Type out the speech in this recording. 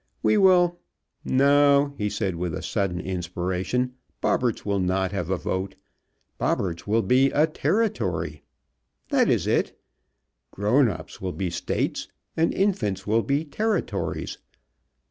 "We will No," he said with sudden inspiration, "Bobberts will not have a vote. Bobberts will be a Territory! That is it. Grown ups will be States and infants will be Territories.